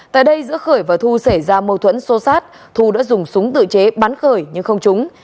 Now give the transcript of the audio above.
tại đây giữa khởi và thu xảy ra mâu thuẫn sô sát thu đã dùng súng tự chế bắn khởi nhưng không trúng